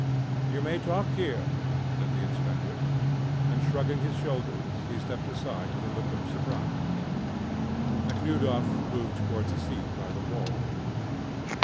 "You may talk here," said the inspector, and shrugging his shoulders he stepped aside with a look of surprise. Nekhludoff moved towards a seat by the wall.